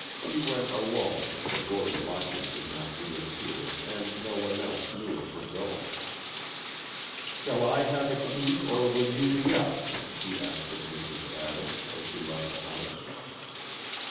She went alone, for Gordon Lockwood did not reappear and no one else knew of her going. "Shall I have a key, or will you be up?" she asked of Mrs. Adams, as she left the house.